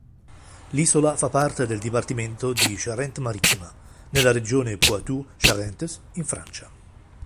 L'isola fa parte del dipartimento di Charente Marittima, nella regione Poitou-Charentes, in Francia.